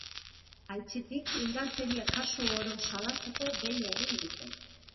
Aitzitik, indarkeria kasu oro salatzeko deia egin dute.